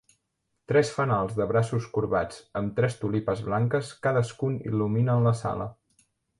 Tres fanals de braços corbats amb tres tulipes blanques cadascun il·luminen la sala.